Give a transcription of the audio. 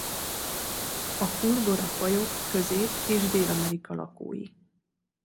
A Fulgora-fajok Közép- és Dél-Amerika lakói.